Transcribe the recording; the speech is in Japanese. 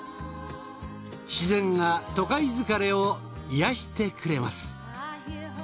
自然が都会疲れを癒やしてくれます。